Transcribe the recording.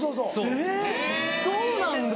えぇそうなんだ！